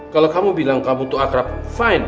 kalau kamu bilang kamu itu akrab fine